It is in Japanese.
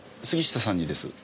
杉下さんにです。